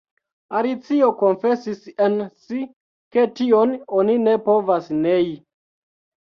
Alicio konfesis en si ke tion oni ne povas nei.